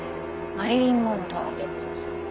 マリリン・モンロー。